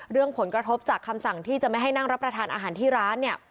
เรื่องผลกระทบจากคำสั่งที่จะไม่ให้นั่งรับประทานอาหารที่ร้านเนี่ย